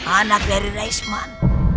anak dari reisman